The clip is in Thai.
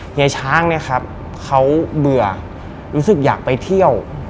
เฮียช้างเนี่ยครับเขาเบื่อรู้สึกอยากไปเที่ยว